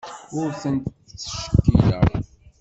Ur tent-ttcekkileɣ.